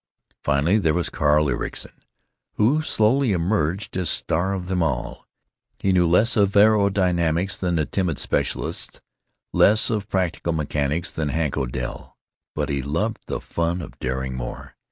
Finally, there was Carl Ericson, who slowly emerged as star of them all. He knew less of aerodynamics than the timid specialist, less of practical mechanics than Hank Odell; but he loved the fun of daring more.